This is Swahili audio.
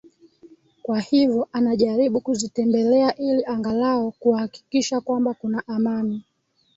kwa hivo anajaribu kuzitembelea ili angalao kuhakikisha kwamba kuna amani